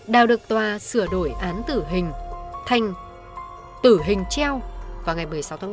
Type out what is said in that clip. đào được tòa sửa đổi án tử hình thành tử hình treo vào ngày một mươi sáu ba một nghìn chín trăm chín mươi năm